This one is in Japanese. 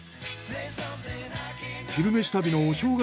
「昼めし旅」のお正月